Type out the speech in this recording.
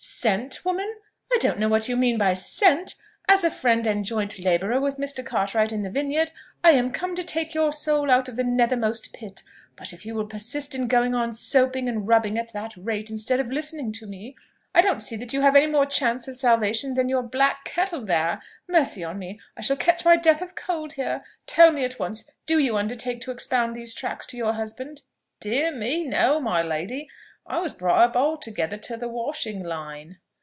"Sent, woman? I don't know what you mean by 'sent.' As a friend and joint labourer with Mr. Cartwright in the vineyard, I am come to take your soul out of the nethermost pit; but if you will persist in going on soaping and rubbing at that rate instead of listening to me, I don't see that you have any more chance of salvation than your black kettle there. Mercy on me! I shall catch my death of cold here! Tell me at once, do you undertake to expound these tracts to your husband?" "Dear me! no, my lady; I was brought up altogether to the washing line."